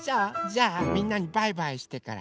じゃあみんなにバイバイしてから。